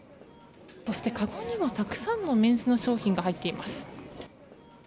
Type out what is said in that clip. そして、かごにはたくさんのメンズの商品が入っています。